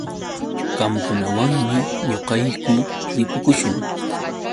Qamkunawanmi ñuqayku ripukuśhun.